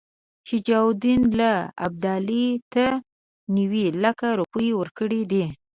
شجاع الدوله ابدالي ته نیوي لکه روپۍ ورکړي دي.